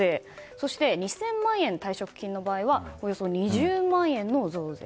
そして、２０００万円退職金の場合はおよそ２０万円の増税。